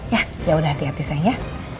ya yaudah hati hati sayang ya